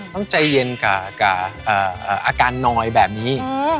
ต้องใจเย็นกับอาการนอยแบบนี้